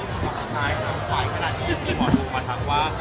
ขอสัญญาณครับควายขนาดนี้มีหมอดูความถามว่า